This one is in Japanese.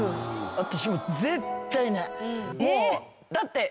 私も絶対ない。